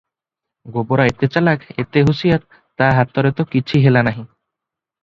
ଗୋବରା ଏତେ ଚାଲାଖ, ଏତେ ହୁସିଆର, ତା ହାତରେ ତ କିଛି ହେଲା ନାହିଁ ।